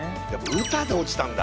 歌で落ちたんだ。